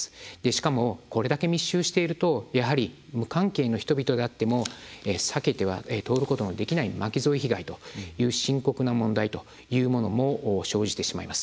しかもこれだけ密集しているとやはり無関係の人々であっても避けては通ることのできない巻き添え被害という深刻な問題というものも生じてしまいます。